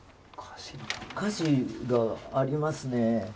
歌詞がありますね。